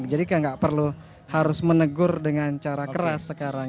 jadi kan gak perlu harus menegur dengan cara keras sekarang